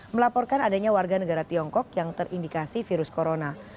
melaporkan adanya warga negara tiongkok yang terindikasi virus corona